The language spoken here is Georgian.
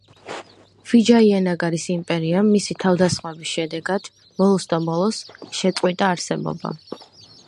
ვიჯაიანაგარის იმპერიამ მისი თავდასხმების შედეგად, ბოლოსდაბოლოს, შეწყვიტა არსებობა.